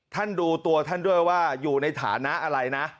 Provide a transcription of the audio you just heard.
ดูตัวท่านด้วยว่าอยู่ในฐานะอะไรนะ